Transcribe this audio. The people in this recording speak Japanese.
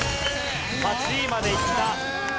８位までいった。